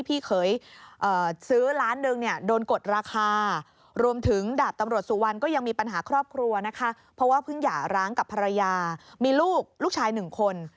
เพราะว่าเพิ่งหยาร้างกับภรรยามีลูกลูกชาย๑คน